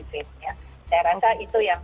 saya rasa itu yang